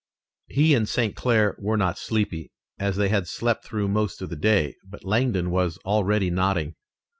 He and St. Clair were not sleepy, as they had slept through most of the day, but Langdon was already nodding.